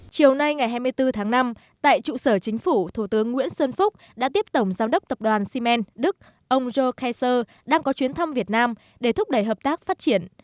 chiều nay ngày hai mươi bốn tháng năm tại trụ sở chính phủ thủ tướng nguyễn xuân phúc đã tiếp tổng giám đốc tập đoàn ximen đức ông jor kecher đang có chuyến thăm việt nam để thúc đẩy hợp tác phát triển